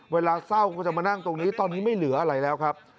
เวลาเศร้าก็จะมานั่งตรงนี้ตอนนี้ไม่เหลืออะไรแล้วครับ